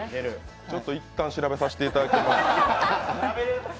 ちょっといったん調べさせていただきます。